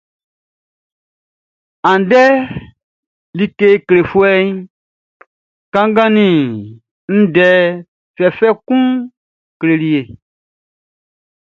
Andɛʼn, like klefuɛʼn kanngan ndɛ fɛfɛ kun nun kle e.